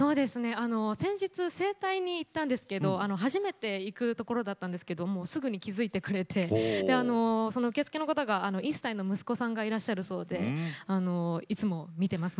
先日、整体に行ったんですが初めて行くところだったんですが、すぐに気が付いてくれて受付の方が１歳の息子さんがいらっしゃるそうでいつも見ています